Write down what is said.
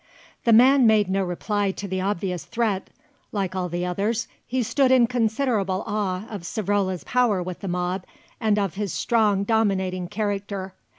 The man made no reply to the obvious threat; like all the others he stood in considerable awe of Savrola's power with the mob and of his strong dominating character.